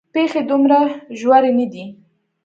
پېښې دومره ژورې نه دي.